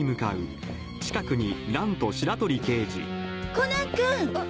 コナン君！